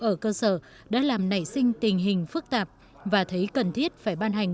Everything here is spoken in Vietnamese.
ở cơ sở đã làm nảy sinh tình hình phức tạp và thấy cần thiết phải ban hành